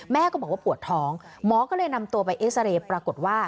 ก็บอกว่าปวดท้องหมอก็เลยนำตัวไปเอ็กซาเรย์ปรากฏว่า